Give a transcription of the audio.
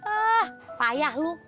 ah payah lu